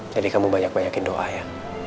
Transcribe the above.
jadi kamu banyak banyakin doa ya